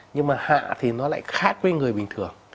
nhưng mà hạ thì nó lại khác với người bình thường